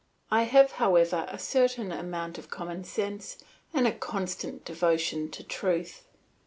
I have, however, a certain amount of common sense and a constant devotion to truth.